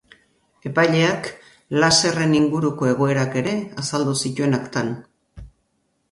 Epaileak laserren inguruko egoerak ere azaldu zituen aktan.